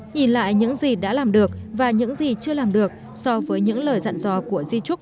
nhìn lại những gì đã làm được và những gì chưa làm được so với những lời dặn dò của di trúc